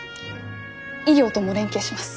医療とも連携します。